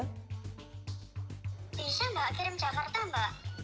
bisa mbak kirim jakarta mbak